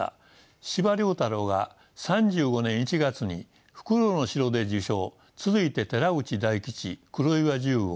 司馬太郎が３５年１月に「梟の城」で受賞続いて寺内大吉黒岩重吾